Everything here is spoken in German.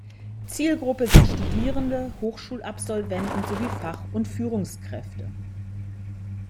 Zielgruppe sind Studierende, Hochschulabsolventen sowie Fach- und Führungskräfte.